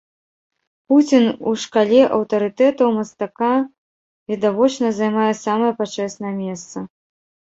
Пуцін у шкале аўтарытэтаў мастака, відавочна, займае самае пачэснае месца.